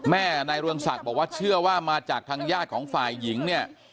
นายเรืองศักดิ์บอกว่าเชื่อว่ามาจากทางญาติของฝ่ายหญิงเนี่ย